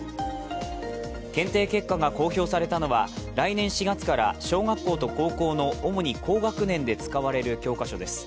検定結果が公表されたのは来年４月から小学校と高校の主に高学年で使われる教科書です。